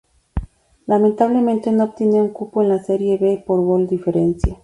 Lamentablemente no obtiene un cupo en la Serie B por gol diferencia.